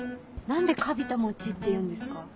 何でカビたモチっていうんですか？